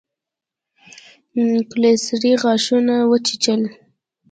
کلسري غاښونه وچيچل.